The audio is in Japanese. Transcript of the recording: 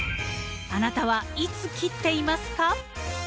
あなたはいつ切っていますか？